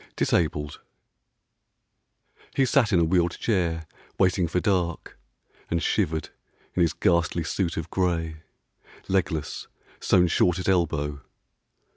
DISABLED. HE sat in a wheeled chair, waiting for dark, And shivered in his ghastly suit of grey, Legless, sewn short at elbow.